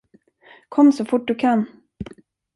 Kom så fort du kan.